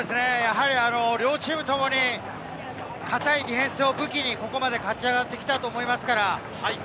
両チームともに堅いディフェンスを武器にここまで勝ち上がってきたと思います。